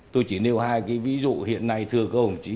tôi chỉ nêu hai cái ví dụ hiện nay thưa các ông chí